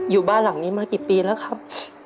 อยู่บ้านหลังนี้มากี่ปีแล้วครับ